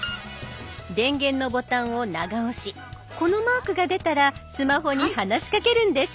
電源のボタンを長押しこのマークが出たらスマホに話しかけるんです。